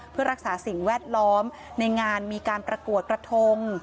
เพื่อรักษาสิ่งแวดล้อมในงานมีการประกวดกระทง